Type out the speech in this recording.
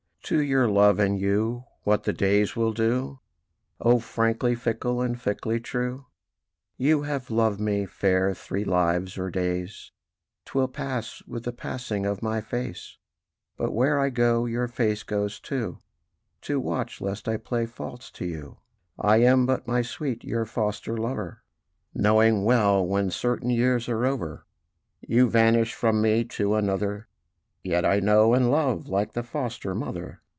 To your Love and you what the days will do, O frankly fickle, and fickly true? "You have loved me, Fair, three lives or days: 'Twill pass with the passing of my face. But where I go, your face goes too, To watch lest I play false to you. "I am but, my sweet, your foster lover, Knowing well when certain years are over You vanish from me to another; Yet I know, and love, like the foster mother.